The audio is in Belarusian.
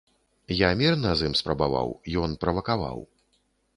Я мірна з ім спрабаваў, ён правакаваў.